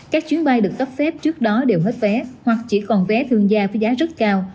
các chuyến bay được cấp phép trước đó đều hết vé hoặc chỉ còn vé thương gia với giá rất cao